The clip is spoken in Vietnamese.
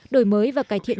đổi mới và cải thiện